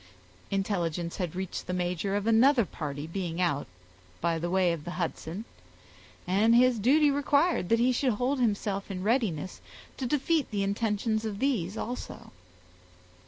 Intelligence had reached the major of another party being out, by the way of the Hudson, and his duty required that he should hold himself in readiness to defeat the intentions of these also.